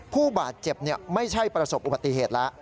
ผู้บาดเจ็บไม่ใช่ประสบอุบัติเหตุแล้ว